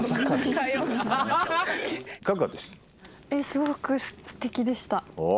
すごくすてきでした。